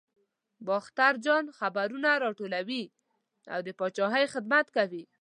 باختر اجان خبرونه راټولوي او د پاچاهۍ خدمت کوي.